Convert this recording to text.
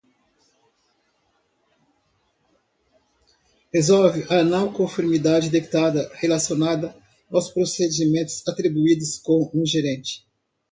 Resolve a não conformidade detectada relacionada aos procedimentos atribuídos como um gerente.